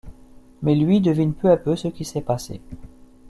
Mais lui, devine peu à peu ce qui s'est passé.